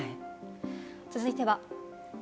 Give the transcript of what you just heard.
続いては。